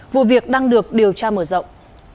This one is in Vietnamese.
vụ việc đang được điều tra mở rộng